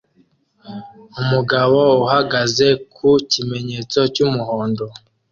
Umugabo uhagaze ku kimenyetso cy'umuhondo